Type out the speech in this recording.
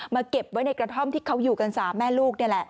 เก็บไว้ในกระท่อมที่เขาอยู่กัน๓แม่ลูกนี่แหละ